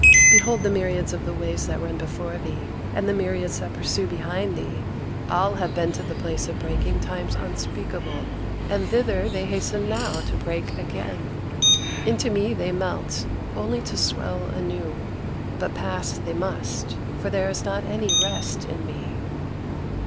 Behold the myriads of the waves that run before thee, and the myriads that pursue behind thee! all have been to the place of breaking times unspeakable; and thither they hasten now to break again. Into me they melt, only to swell anew. But pass they must; for there is not any rest in me."